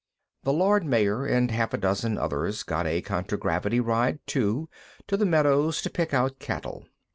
The Lord Mayor and half a dozen others got a contragravity ride, too, to the meadows to pick out cattle.